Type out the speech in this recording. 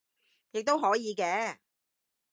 亦都可以嘅